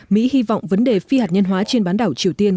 mỹ hy vọng vấn đề phi hạt nhân hóa trên bán đảo triều tiên